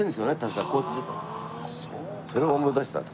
それを思い出したって。